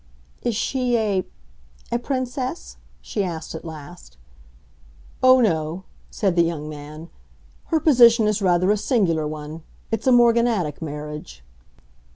"Is she a—a Princess?" she asked at last. "Oh, no," said the young man; "her position is rather a singular one. It's a morganatic marriage."